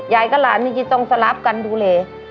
ยายกับหลานนี่จะต้องสลับกันดูแล